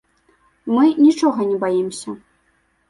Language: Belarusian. Мы нічога не баімся.